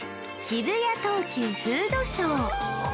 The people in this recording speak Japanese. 渋谷東急フードショー